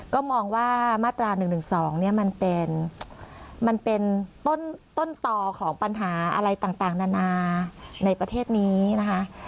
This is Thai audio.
ก็มองว่ามาตรา๑๑๒เนี่ยมันเป็นมันเป็นต้นต่อของปัญหาอะไรต่างนานาในประเทศนี้นะคะ